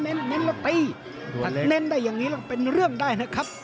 เน้นแล้วตีถ้าเน้นได้อย่างนี้แล้วเป็นเรื่องได้นะครับ